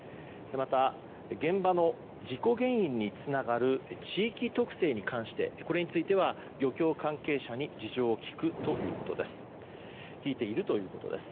また、現場の事故原因につながる地域特性に関して漁協関係者に事情を聴いているということです。